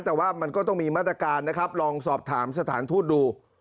แต่ว่ามันก็ต้องมีมาตรการนะครับลองสอบถามสถานทูตดู